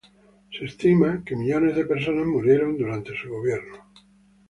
Se estima que millones de personas murieron durante su gobierno.